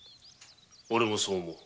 おれもそう思う。